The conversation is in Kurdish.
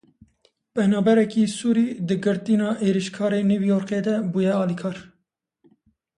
Penaberekî Sûrî di girtina êrişkarê New Yorkê de bûye alîkar.